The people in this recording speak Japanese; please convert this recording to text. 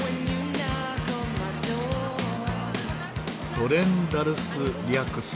トレン・ダルス・リャクス。